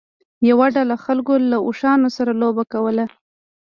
یوه ډله خلکو له اوښانو سره لوبه کوله.